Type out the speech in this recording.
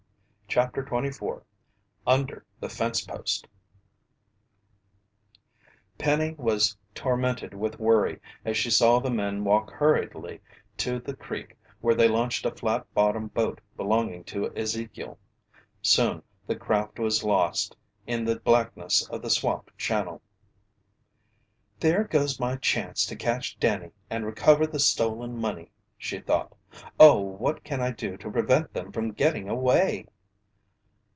CHAPTER 24 UNDER THE FENCE POST Penny was tormented with worry as she saw the men walk hurriedly to the creek where they launched a flat bottomed boat belonging to Ezekiel. Soon the craft was lost in the blackness of the swamp channel. "There goes my chance to catch Danny and recover the stolen money!" she thought. "Oh, what can I do to prevent them from getting away?"